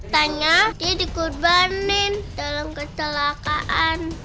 tanya dia dikubanin dalam keselakaan